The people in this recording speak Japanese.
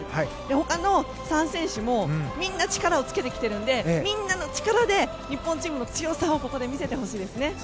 他の３選手もみんな力をつけてきているのでみんなの力で日本チームの強さをここで見せてほしいですね。